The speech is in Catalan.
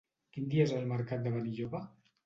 Quin dia és el mercat de Benilloba?